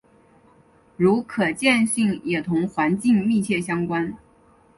如可见性也同环境密切相关。